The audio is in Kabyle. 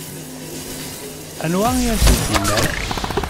Anwa i asent-innan?